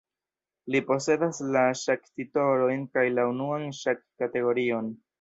Li posedas la ŝak-titolojn kaj la unuan ŝak-kategorion.